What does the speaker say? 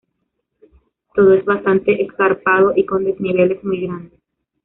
Todo es bastante escarpado y con desniveles muy grandes.